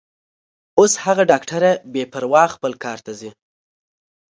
اوس هغه ډاکټره بې پروا خپل کار ته ځي.